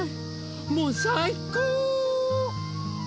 もうさいこう！